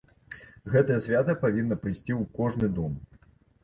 Гэтае свята павінна прыйсці ў кожны дом.